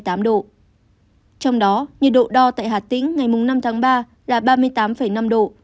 trong đó nhiệt độ đo tại hạt tĩnh ngày mùng năm tháng ba là ba mươi tám năm độ